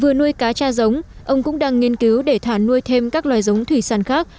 vừa nuôi cá cha giống ông cũng đang nghiên cứu để thả nuôi thêm các loài giống thủy sản khác